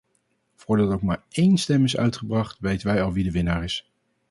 Voordat ook maar één stem is uitgebracht, weten wij al wie de winnaar is.